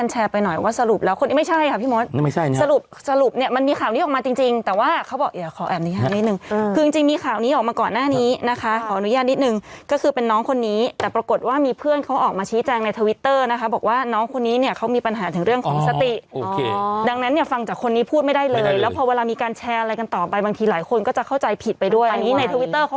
เนี่ยมันมีข่าวนี้ออกมาจริงแต่ว่าเขาบอกอย่าขอแอบนิยามนิดนึงคือจริงมีข่าวนี้ออกมาก่อนหน้านี้นะคะขออนุญาตนิดนึงก็คือเป็นน้องคนนี้แต่ปรากฏว่ามีเพื่อนเขาออกมาชี้แจงในทวิตเตอร์นะคะบอกว่าน้องคนนี้เนี่ยเขามีปัญหาถึงเรื่องของสติดังนั้นเนี่ยฟังจากคนนี้พูดไม่ได้เลยแล้วพอเวลามีการแชร์อะไรกันต่